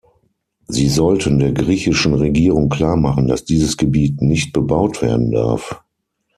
Sie sollten der griechischen Regierung klarmachen, dass dieses Gebiet nicht bebaut werden darf.